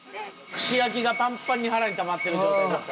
串焼きがパンパンに腹にたまってる状態ですから。